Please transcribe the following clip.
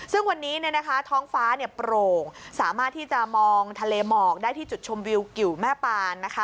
ซึ่งวันนี้ท้องฟ้าโปร่งสามารถที่จะมองทะเลหมอกได้ที่จุดชมวิวกิวแม่ปานนะคะ